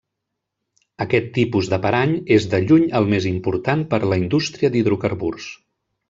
Aquest tipus de parany és de lluny el més important per a la indústria d'hidrocarburs.